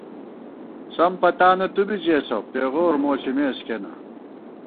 سم پتانہ تُو بی ژېسہ ، پېغور مو ݪِمېس کېنا